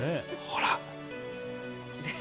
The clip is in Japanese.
ほら。